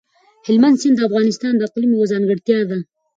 هلمند سیند د افغانستان د اقلیم یوه ځانګړتیا ده.